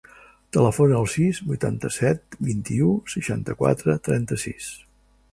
Telefona al sis, vuitanta-set, vint-i-u, seixanta-quatre, trenta-sis.